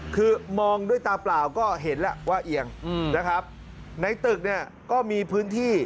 คือมองด้วยตาเปล่าก็เห็นแหละว่าเอียงนะครับในตึกเนี่ยก็มีพื้นที่